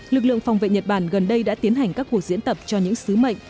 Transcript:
lực lượng phòng vệ nhật bản gần đây đã tiến hành các cuộc diễn tập cho những sứ mệnh